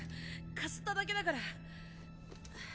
かすっただけだから。